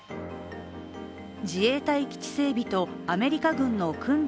自衛隊基地整備とアメリカ軍の訓練